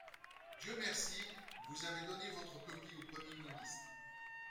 Dieu merci, vous avez donné votre copie au Premier ministre.